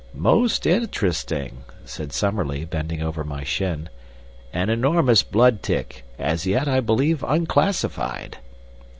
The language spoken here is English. "Most interesting," said Summerlee, bending over my shin. "An enormous blood tick, as yet, I believe, unclassified."